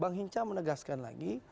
bang hinca menegaskan lagi